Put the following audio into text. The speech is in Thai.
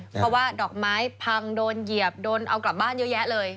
เพราะว่าดอกไม้พังโดนเหยียบโดนเอากลับบ้านเยอะแยะเลย